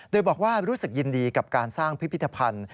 โดยบอกว่ารู้สึกยินดีกับการสร้างพิพิธภัณฑ์